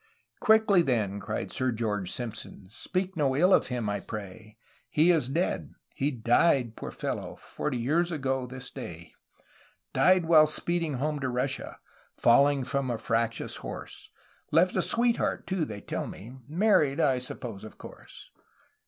Quickly then cried Sir George Simpson: 'Speak no ill of him, I pray! He is dead. He died, poor fellow, forty years ago this day, — Died while speeding home to Russia, falling from a fractious horse. Left a sweetheart, too, they tell me. Married, I suppose, of course